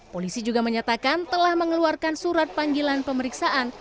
polisi juga menyatakan telah mengeluarkan surat panggilan pemeriksaan